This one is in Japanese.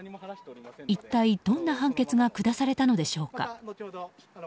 一体どんな判決が下されたのでしょうか。